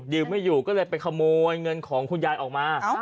ไม่อยู่ก็เลยไปขโมยเงินของคุณยายออกมา